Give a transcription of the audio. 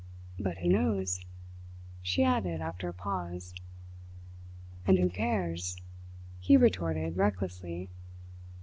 But who knows?" she added after a pause. "And who cares?" he retorted recklessly.